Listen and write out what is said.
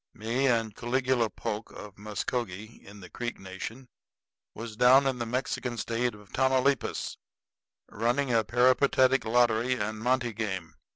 Me and Caligula Polk, of Muskogee in the Creek Nation, was down in the Mexican State of Tamaulipas running a peripatetic lottery and monte game.